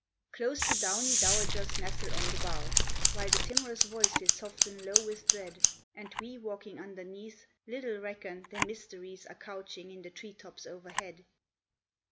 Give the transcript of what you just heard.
Close the downy dowagers nestle on the bough While the timorous voices soften low with dread, And we, walking underneath, little reckon their Mysteries are couching in the tree tops overhead.